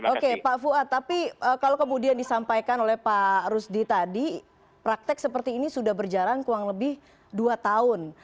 oke pak fuad tapi kalau kemudian disampaikan oleh pak rusdi tadi praktek seperti ini sudah berjalan kurang lebih dua tahun